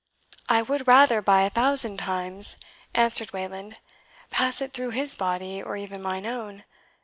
"I would rather by a thousand times," answered Wayland, "pass it through his body, or even mine own.